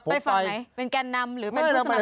ไปฝั่งไหนเป็นแกนนำหรือเป็นผู้สมัคร